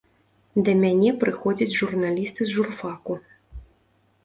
Да мяне прыходзяць журналісты з журфаку.